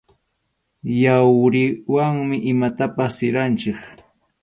Yawriwanmi imatapas siranchik.